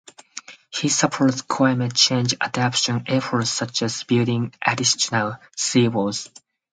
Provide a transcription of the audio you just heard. He supports climate change adaptation efforts such as building additional seawalls.